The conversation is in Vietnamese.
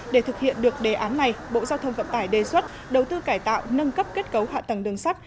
để thực hiện được đề án này bộ giao thông vận tải đề xuất đầu tư cải tạo nâng cấp kết cấu hạ tầng đường sắt